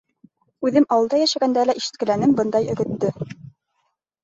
Үҙем ауылда йәшәгәндә лә ишеткеләнем бындай өгөттө.